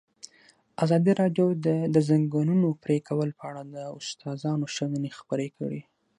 ازادي راډیو د د ځنګلونو پرېکول په اړه د استادانو شننې خپرې کړي.